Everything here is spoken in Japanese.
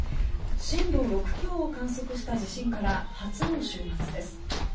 震度６強を観測した地震から初の週末です。